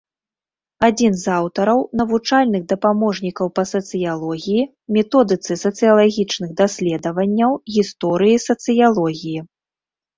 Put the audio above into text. Адзін з аўтараў навучальных дапаможнікаў па сацыялогіі, методыцы сацыялагічных даследаванняў, гісторыі сацыялогіі.